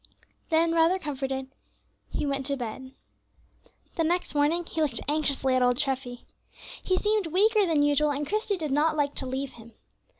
Then, rather comforted, he went to bed. The next morning he looked anxiously at old Treffy. He seemed weaker than usual, and Christie did not like to leave him.